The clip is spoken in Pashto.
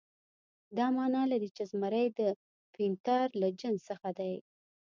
دا معنی لري چې زمری د پینتر له جنس څخه دی.